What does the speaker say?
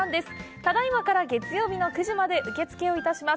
ただいまから月曜日の９時まで受け付けをいたします。